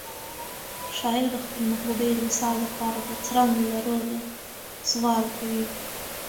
شاعر د خپلې محبوبې د وصال لپاره د ترنګ له روده سوال کوي.